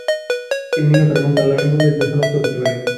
তিনি নিহত হন এবং তার লাশও মুজাহিদগণ শনাক্ত করতে পারেননি।